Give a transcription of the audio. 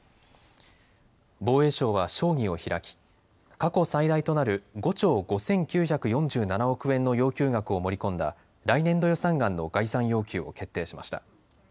防衛省は省議を開き過去最大となる５兆５９４７億円の要求額を盛り込んだ来年度予算案の概算要求を決定しました。